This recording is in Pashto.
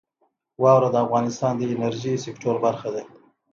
واوره د افغانستان د انرژۍ سکتور برخه ده.